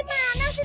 mari disuruh masuk